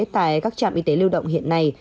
tại các trạm y tế lưu động hiện nay